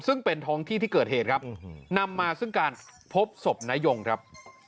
ซึ่งเป็นท้องที่ที่เกิดเหตุครับนำมาซึ่งการพบศพนายงครับ